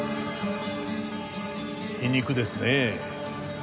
皮肉ですねえ。